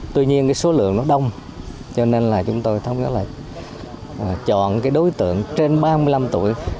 tuy nhiên số lượng đông cho nên chúng tôi thông nhớ là chọn đối tượng trên ba mươi năm tuổi